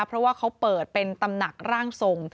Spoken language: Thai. เพราะว่าเขาเปิดเป็นตำหนักร่างทรง